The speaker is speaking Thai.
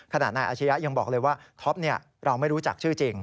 นายอาชียะยังบอกเลยว่าท็อปเราไม่รู้จักชื่อจริง